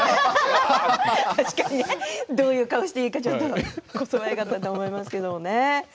確かにどういう顔していいかこそばゆかったと思いますけどね。